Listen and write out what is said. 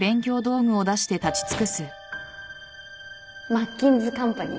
マッキンズカンパニー。